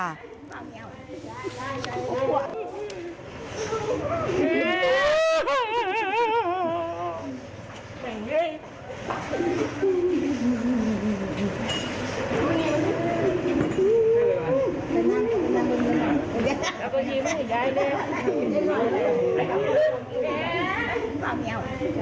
แม่งเง่ย